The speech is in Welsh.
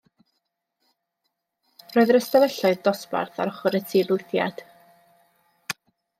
Roedd yr ystafelloedd dosbarth ar ochr y tirlithriad.